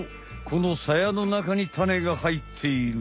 このサヤのなかにタネが入っている。